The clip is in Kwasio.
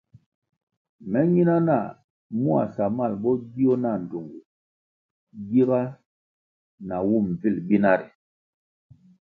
Me nyina nah mua samal bo gio na ndtungu giga wum bvil binari.